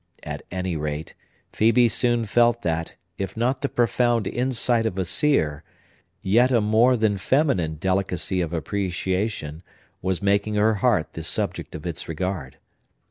At any rate, Phœbe soon felt that, if not the profound insight of a seer, yet a more than feminine delicacy of appreciation, was making her heart the subject of its regard.